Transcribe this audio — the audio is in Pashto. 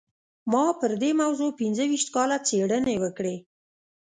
ما پر دې موضوع پينځه ويشت کاله څېړنې وکړې.